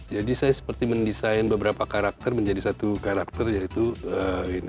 jadi saya seperti mendesain beberapa karakter menjadi satu karakter yaitu ini